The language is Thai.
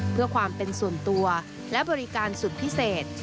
เพื่อความเป็นส่วนตัวและบริการสุดพิเศษ